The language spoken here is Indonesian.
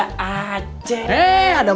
juga pernah pengahir unik